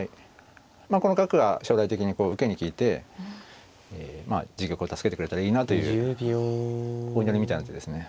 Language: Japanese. この角が将来的に受けに利いて自玉を助けてくれたらいいなというお祈りみたいな手ですね。